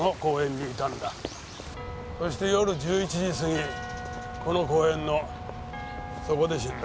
そして夜１１時過ぎこの公園のそこで死んだ。